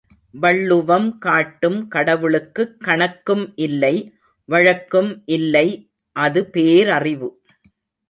வள்ளுவம் காட்டும் கடவுளுக்குக் கணக்கும் இல்லை வழக்கும் இல்லை அது பேரறிவு!